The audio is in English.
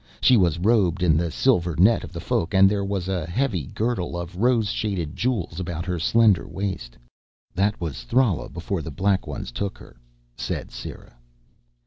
She was robed in the silver net of the Folk and there was a heavy girdle of rose shaded jewels about her slender waist. "That was Thrala before the Black Ones took her," said Sera.